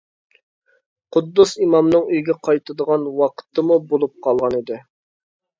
قۇددۇس ئىمامنىڭ ئۆيگە قايتىدىغان ۋاقتىمۇ بولۇپ قالغانىدى.